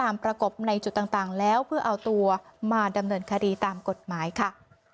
มายค่ะ